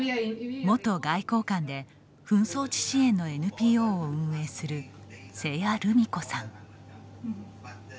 元外交官で紛争地支援のＮＰＯを運営する瀬谷ルミ子さん。